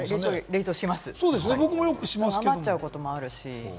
冷凍します、余っちゃうこともあるし。